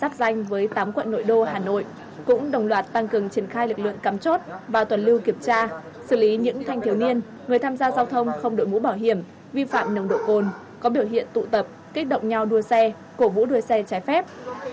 trong quá trình tuần tra sẽ xử lý những nhóm thanh thiếu niên có hành vi gây dối trật tự công cộng hoặc đua xe trái phép